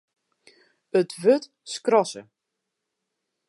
It wurd skrasse.